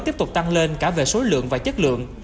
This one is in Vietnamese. tiếp tục tăng lên cả về số lượng và chất lượng